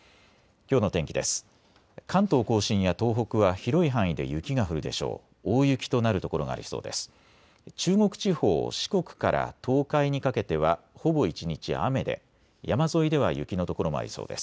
きょうの天気です。